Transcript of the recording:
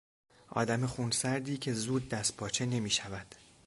آدم خونسردی که زود دستپاچه نمیشود